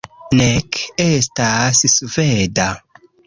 ... nek estas sveda